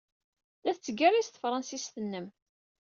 La tettgerriz tefṛensist-nnem.